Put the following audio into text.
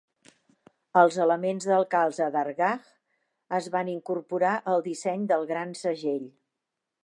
Els elements del calze d'Ardagh es van incorporar al disseny del Gran segell.